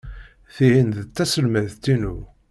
Tihin d taselmadt-inu.